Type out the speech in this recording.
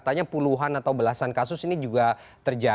dengan yang puluhan dua basic data dan tidak punya masalah geowania